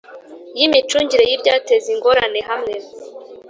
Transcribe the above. y imicungire y ibyateza ingorane hamwe